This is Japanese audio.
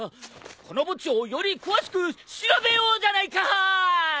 この墓地をより詳しく調べようじゃないかー！